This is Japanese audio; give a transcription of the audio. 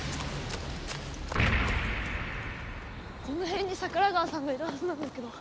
このへんに桜川さんがいるはずなんだけど。